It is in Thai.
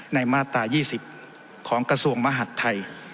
ในมาตรายี่สิบของกระทรวงมหัสไทย